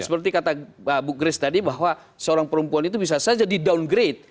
seperti kata bu grace tadi bahwa seorang perempuan itu bisa saja di downgrade